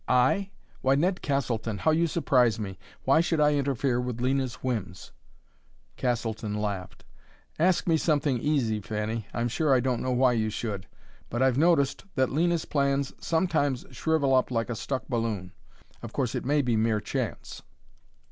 I? Why, Ned Castleton, how you surprise me! Why should I interfere with Lena's whims?" Castleton laughed. "Ask me something easy, Fanny! I'm sure I don't know why you should, but I've noticed that Lena's plans sometimes shrivel up like a stuck balloon. Of course, it may be mere chance."